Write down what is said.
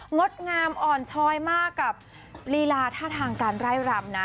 งดงามอ่อนชอยมากกับลีลาท่าทางการไล่รำนะ